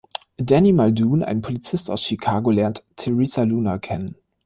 Danny Muldoon, ein Polizist aus Chicago, lernt Theresa Luna kennen.